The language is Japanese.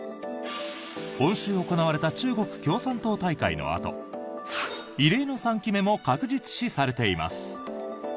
今週行われた中国共産党大会のあと異例の３期目も確実視されています。